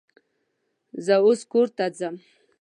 زه اوس کور ته ځم